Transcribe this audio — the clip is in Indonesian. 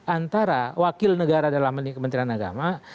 antara wakil negara dalam kementerian agama